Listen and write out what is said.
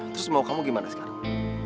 terus mau kamu gimana sekarang